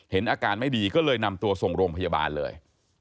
อาการไม่ดีก็เลยนำตัวส่งโรงพยาบาลเลย